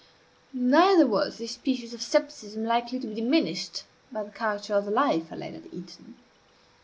Neither was this species of scepticism likely to be diminished by the character of the life I led at Eton.